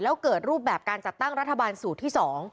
แล้วเกิดรูปแบบการจัดตั้งรัฐบาลสูตรที่๒